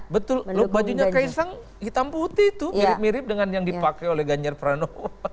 betul loh bajunya kaisang hitam putih tuh mirip mirip dengan yang dipakai oleh ganjar pranowo